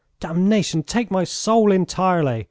Damnation take my soul entirely!